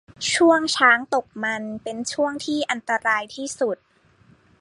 ช่วงช้างตกมันเป็นช่วงที่อันตรายที่สุด